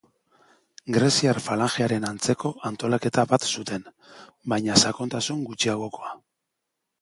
Greziar falangearen antzeko antolaketa bat zuten, baina sakontasun gutxiagokoa.